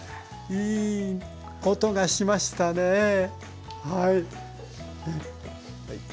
いい音がしましたねはい。